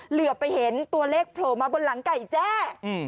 เหลือไปเห็นตัวเลขโผล่มาบนหลังไก่แจ้